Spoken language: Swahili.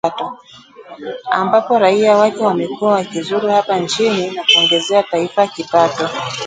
ambapo raia wake wamekuwa wakizuru hapa nchini na kuongezea taifa kipato